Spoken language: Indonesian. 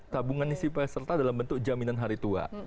tabungan yang disertai dalam bentuk jaminan hari tua